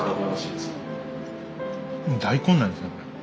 大根なんですね。